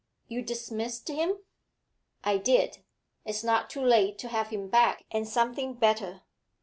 'You dismissed him?' 'I did. It's not too late to have him back, and something better.'